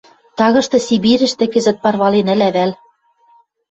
Тагышты Сибирьӹштӹ кӹзӹт парвален ӹлӓ вӓл...